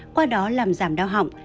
qua đó làm giảm đau họng